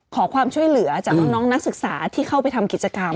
ขอความช่วยเหลือจากน้องนักศึกษาที่เข้าไปทำกิจกรรม